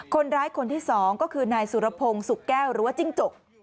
คนที่๒ก็คือนายสุรพงศ์สุกแก้วหรือว่าจิ้งจก